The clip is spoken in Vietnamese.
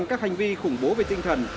vậy bán xe nhanh